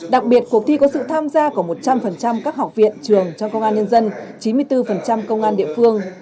đặc biệt cuộc thi có sự tham gia của một trăm linh các học viện trường trong công an nhân dân chín mươi bốn công an địa phương